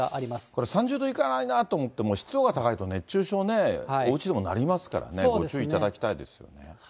これ、３０度いかないなと思っても、湿度が高いと熱中症ね、おうちでもなりますからね、ご注意いただきたいですよね。